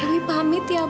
dewi pamit ya bu